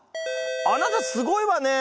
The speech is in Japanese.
あなたすごいわね。